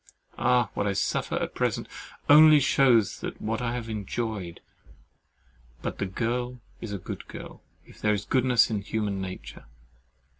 Ah! what I suffer at present only shews what I have enjoyed. But "the girl is a good girl, if there is goodness in human nature."